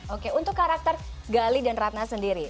oke untuk karakter gali dan ratna sendiri